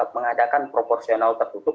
mengadakan proporsional tertutup